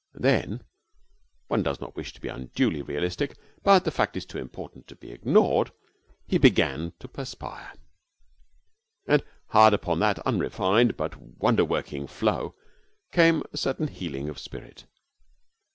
And then one does not wish to be unduly realistic, but the fact is too important to be ignored he began to perspire. And hard upon that unrefined but wonder working flow came a certain healing of spirit.